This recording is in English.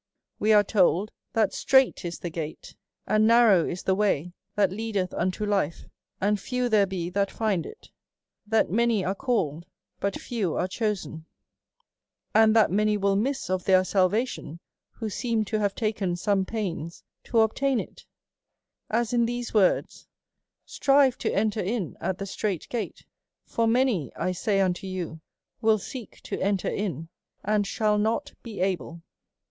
We are told that strait is the gate, and narrow, is ) ti.j u.'^^ t>^i^y^ .ri /•\,', w ■'.<'■*', '\:,Loi^i. ■'"'■■•'■ S3 A SERIOUS CALL TO A the voay, that leadeth unto life, and few there he that find it; that many are called, hut few are chosen. And that many wiii miss of their salvation, who seem to have taken soaie pains to obtain it. As in these words. Strive to enter in at the strait gate ; for many, I say unto you, ivill seek to enter in, and shall not he able.